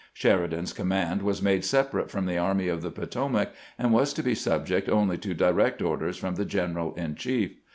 Sheridan's command was made separate from the Army of the Potomac, and was to be subject only to direct orders from the general in chief